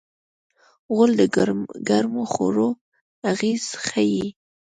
غول د ګرمو خوړو اغېز ښيي.